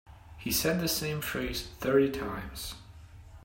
He said the same phrase thirty times.